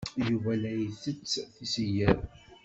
Yuba la isett tisigar.